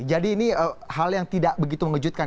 jadi ini hal yang tidak begitu mengejutkan